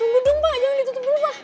tunggu dong pak jangan ditutup dulu pak